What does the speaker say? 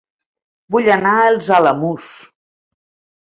Vull anar a Els Alamús